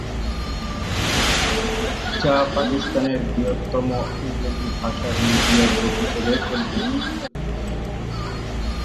যা পাকিস্তানের বৃহত্তম ইংরেজি ভাষার মিডিয়া গ্রুপ হিসেবে পরিচিত।